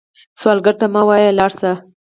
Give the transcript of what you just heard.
سوالګر ته مه وايئ “لاړ شه”